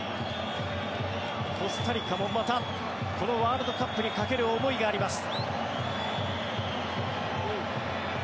コスタリカもまたこのワールドカップにかける思いがあります。